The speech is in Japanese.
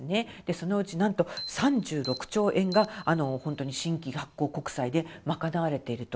そのうちなんと３６兆円が本当に新規発行国債で賄われていると。